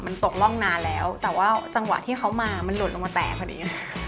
มันตกร่องนานแล้วแต่ว่าจังหวะที่เขามามันหล่นลงมาแตกพอดี